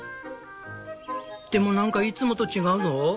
でもなんかいつもと違うぞ。